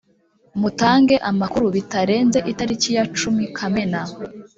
Mutange amakuru bitarenze itariki ya cumi kamena.